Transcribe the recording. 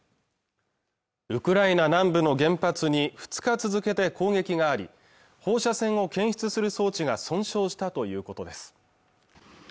ウクライナ南部の原発に２日続けて攻撃があり放射線を検出する装置が損傷したということです